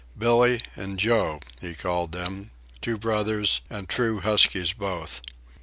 "Billee" and "Joe" he called them, two brothers, and true huskies both.